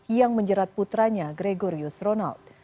yang menjerat putranya gregorius ronald